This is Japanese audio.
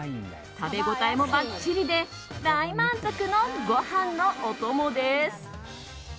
食べ応えもばっちりで大満足のご飯のお供です。